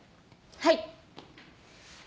はい。